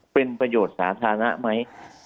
เป็นประโยชน์สาธารณะไหม